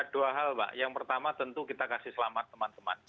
bapak yang pertama tentu kita kasih selamat teman teman